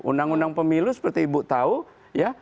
undang undang pemilu seperti ibu tahu ya